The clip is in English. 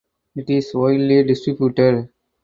It is widely distributed.